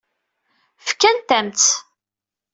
Fkant-am-tt.